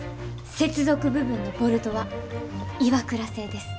接続部分のボルトはＩＷＡＫＵＲＡ製です。